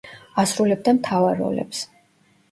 ასრულებდა მთავარ როლებს.